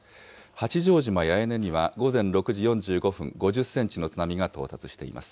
八丈島八重根には午前６時４５分、５０センチの津波が到達しています。